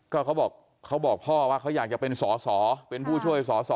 ก็เขาบอกเขาบอกพ่อว่าเขาอยากจะเป็นสอสอเป็นผู้ช่วยสอสอ